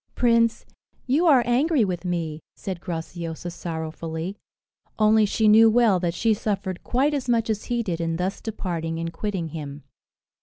"Prince, you are angry with me," said Graciosa sorrowfully; only she knew well that she suffered quite as much as he did in thus departing and quitting him.